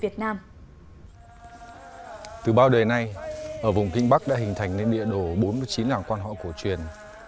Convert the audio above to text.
từ bao đời này ở vùng kinh bắc đã hình thành nên địa đồ bốn mươi chín làng quan họ cổ truyền